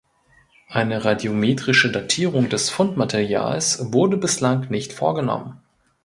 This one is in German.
Eine radiometrische Datierung des Fundmaterials wurde bislang nicht vorgenommen.